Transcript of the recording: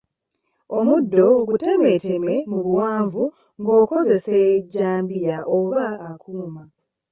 Omuddo gutemeeteme mu buwanvu ng’okozesa ejjambiya oba akuuma.